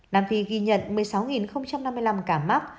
nam phi ghi nhận một mươi sáu năm mươi năm ca mắc